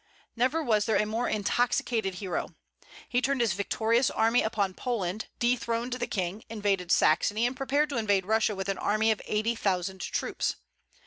Never was there a more intoxicated hero. He turned his victorious army upon Poland, dethroned the king, invaded Saxony, and prepared to invade Russia with an army of eighty thousand troops.